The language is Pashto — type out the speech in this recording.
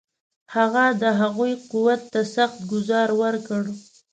هغه د هغوی قوت ته سخت ګوزار ورکړ.